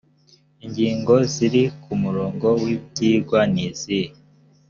ingingo ziri ku murongo w ibyigwa nizihe